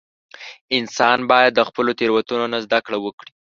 • انسان باید د خپلو تېروتنو نه زده کړه وکړي.